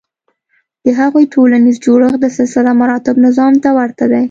د هغوی ټولنیز جوړښت د سلسلهمراتب نظام ته ورته دی.